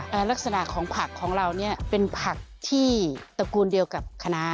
ลักษณะของผักของเราเนี้ยเป็นผักที่ตระกูลเดียวกับคณะ